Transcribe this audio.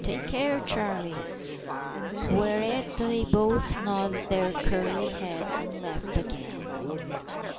Take care, Charlie!" whereat they both nodded their curly heads and laughed again.